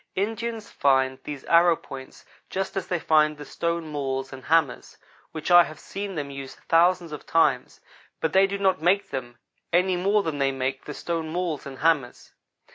Indians find these arrow points just as they find the stone mauls and hammers, which I have seen them use thousands of times, but they do not make them any more than they make the stone mauls and hammers.